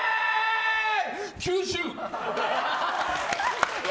吸収！